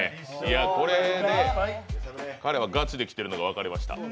これで彼がガチできているのが分かりました。